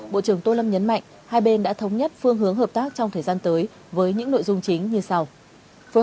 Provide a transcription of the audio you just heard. bộ trưởng tô lâm nhấn mạnh hai bên đã thống nhất phương hướng hợp tác trong thời gian tới với những nội dung chính như sau